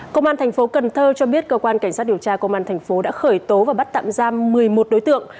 công an thành phố cần thơ cho biết cơ quan cảnh sát điều tra công an thành phố đã khởi tố và bắt tạm giam một mươi một đối tượng